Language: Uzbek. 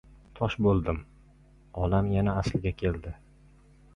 Tosh bo‘ldim! Olam yana asliga keldi.